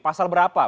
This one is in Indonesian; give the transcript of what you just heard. pasal berapa pak